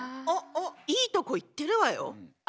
おっおっいいとこいってるわよ。